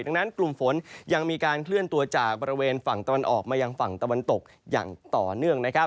ดังนั้นกลุ่มฝนยังมีการเคลื่อนตัวจากบริเวณฝั่งตะวันออกมายังฝั่งตะวันตกอย่างต่อเนื่อง